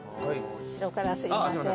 後ろからすいません。